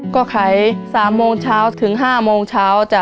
ก็ขาย๓โมงเช้าถึง๕โมงเช้าจ้ะ